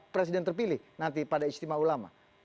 presiden terpilih nanti pada istimewa ulama